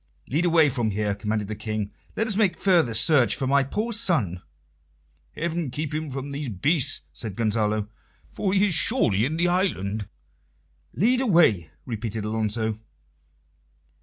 "Lead away from here," commanded the King. "Let us make further search for my poor son." "Heaven keep him from these beasts!" said Gonzalo. "For he is surely in the island." "Lead away," repeated Alonso.